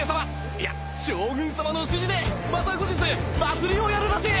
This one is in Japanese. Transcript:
将軍さまの指示でまた後日祭りをやるらしい！